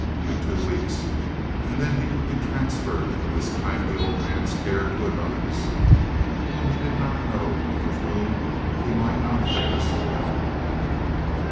Only two weeks, and then he would be transferred from this kindly old man's care to another's, whom he did not know and with whom he might not fare so well.